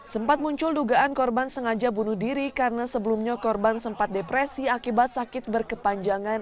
sempat muncul dugaan korban sengaja bunuh diri karena sebelumnya korban sempat depresi akibat sakit berkepanjangan